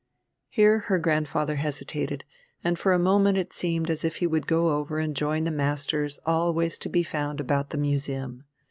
Here her grandfather hesitated, and for a moment it seemed as if he would go over and join the masters always to be found about the Museum.